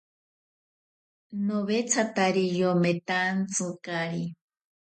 Nowetsatari yometantsikari.